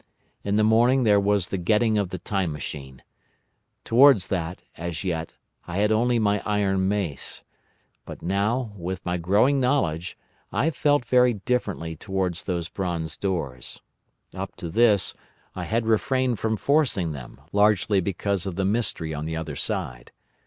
In the morning there was the getting of the Time Machine. Towards that, as yet, I had only my iron mace. But now, with my growing knowledge, I felt very differently towards those bronze doors. Up to this, I had refrained from forcing them, largely because of the mystery on the other side.